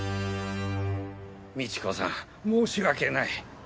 美知子さん申し訳ない。